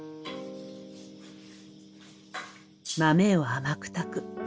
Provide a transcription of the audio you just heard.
豆を甘く炊く。